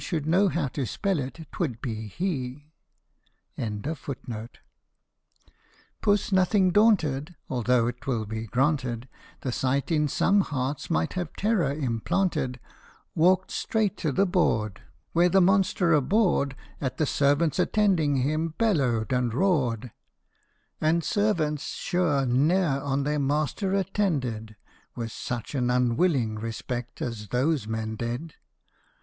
* Puss, nothing daunted (Although 'twill be granted The sight in some hearts might have terror implanted), Walked straight to the board Where the monster abhorred At the servants attending him bellowed and roared ; And servants sure ne'er on their master attended With such an unwilling respect as those men did